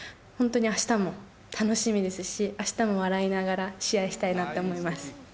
本当にあしたも楽しみですし、あしたも笑いながら試合したいなと思います。